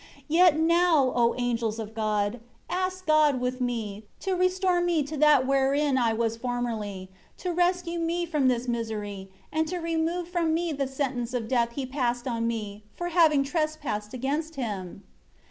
5 Yet now, O angels of God, ask God with me, to restore me to that wherein I was formerly; to rescue me from this misery, and to remove from me the sentence of death He passed on me, for having trespassed against Him."